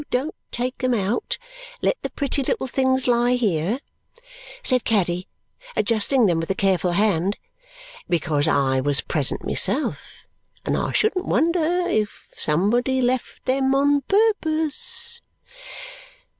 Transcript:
Don't take them out. Let the pretty little things lie here," said Caddy, adjusting them with a careful hand, "because I was present myself, and I shouldn't wonder if somebody left them on purpose!"